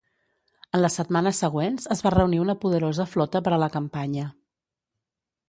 En les setmanes següents es va reunir una poderosa flota per a la campanya.